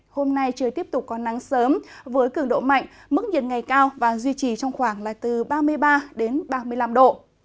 hôm nay trời tiếp tục có nắng sớm với cường độ mạnh mức nhiệt ngày cao và duy trì trong khoảng là từ ba mươi ba đến ba mươi năm độ